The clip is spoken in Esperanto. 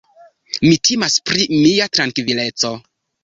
Mi timas pri mia trankvileco!